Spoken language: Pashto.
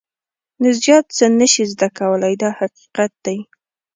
نو زیات څه نه شې زده کولای دا حقیقت دی.